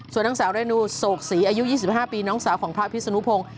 ส่วนนางสาวเรนูโศกศรีอายุ๒๕ปีน้องสาวของพระพิศนุพงศ์